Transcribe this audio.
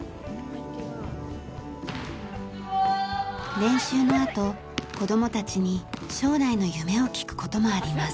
練習のあと子供たちに将来の夢を聞く事もあります。